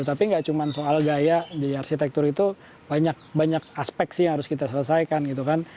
tapi nggak cuma soal gaya di arsitektur itu banyak banyak aspek sih yang harus kita selesaikan gitu kan